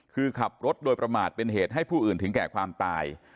คือขับรถโดยประมาทเป็นเหตุให้ผู้อื่นถึงแก่ความตาย